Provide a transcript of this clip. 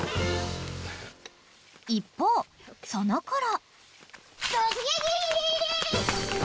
［一方そのころ］